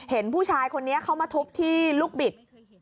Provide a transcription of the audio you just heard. เห็นผู้ชายคนนี้เขามาทุบที่ลูกบิด